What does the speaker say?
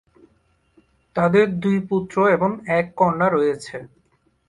তাদের দুই পুত্র এবং এক কন্যা রয়েছে।